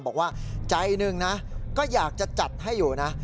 บอกว่าใจหนึ่งนะก็อยากจะจัดให้อยู่นะ